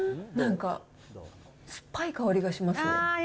なんか酸っぱい香りがします。